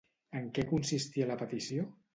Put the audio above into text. En què consistia la petició?